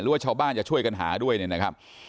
รู้ว่าชาวบ้านจะช่วยกันหาด้วยนะครับ